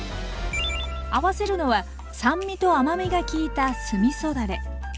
合わせるのは酸味と甘みが効いた酢みそだれ。